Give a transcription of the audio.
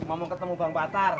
cuma mau ketemu bang patar